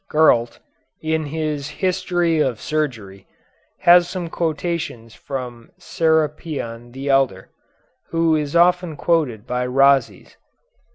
Gurlt, in his "History of Surgery," has some quotations from Serapion the elder, who is often quoted by Rhazes.